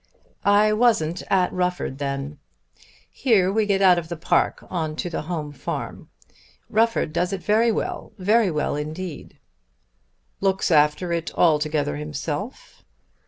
"I wasn't at Rufford then. Here we get out of the park on to the home farm. Rufford does it very well, very well indeed." "Looks after it altogether himself?"